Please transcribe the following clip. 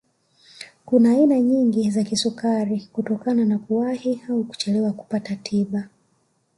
Kuna aina nyingi za kisukari kutokana na kuwahi au kuchelewa kupata tiba